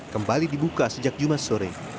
kembali dibuka sejak jumat sore